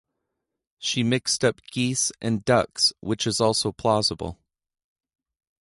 She mixed up geese and ducks, which is also plausible.